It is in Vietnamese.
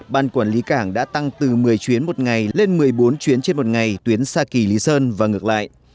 ban quản lý cảng đã tăng từ một mươi chuyến một ngày lên một mươi bốn chuyến trên một ngày tuyến xa kỳ lý sơn và ngược lại